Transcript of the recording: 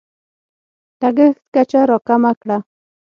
لګښت کچه راکمه کړه.